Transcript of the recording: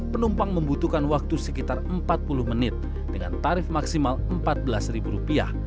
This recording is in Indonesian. penumpang membutuhkan waktu sekitar empat puluh menit dengan tarif maksimal rp empat belas